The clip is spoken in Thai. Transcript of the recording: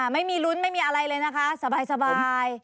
ไม่มีลุ้นไม่มีอะไรเลยนะคะสบาย